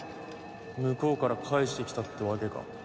向こうから返してきたってわけか。